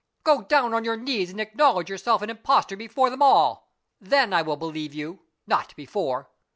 Go down on your knees and acknowledge yourself an impostor before them all. Then I will believe you not before."